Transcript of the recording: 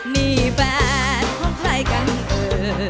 นี่แฟนของใครกันเออ